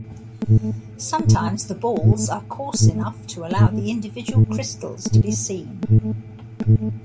Sometimes the balls are coarse enough to allow the individual crystals to be seen.